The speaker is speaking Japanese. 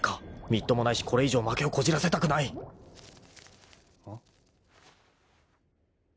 ［みっともないしこれ以上負けをこじらせたくない］あ？